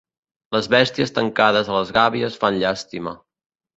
Les besties tancades a les gàbies fan llàstima.